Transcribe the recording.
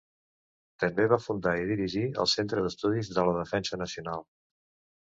També va fundar i dirigir el Centre d'Estudis de la Defensa Nacional.